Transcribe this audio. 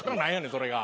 それが。